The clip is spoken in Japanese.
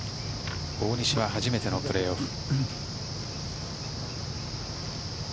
大西は初めてのプレーオフ。